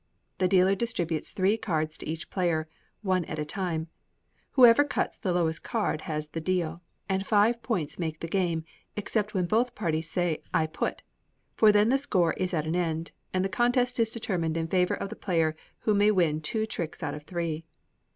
The dealer distributes three cards to each player, by one at a time; whoever cuts the lowest card has the deal, and five points make the game, except when both parties say, "I put" for then the score is at an end, and the contest is determined in favour of the player who may win two tricks out of three.